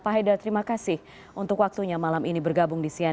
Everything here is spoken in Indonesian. pak haidar terima kasih untuk waktunya malam ini bergabung di cnn